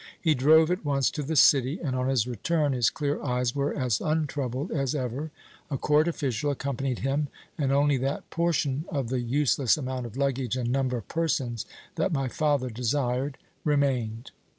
He drove at once to the city, and on his return his clear eyes were as untroubled as ever. A court official accompanied him, and only that portion of the useless amount of luggage and number of persons that my father desired remained.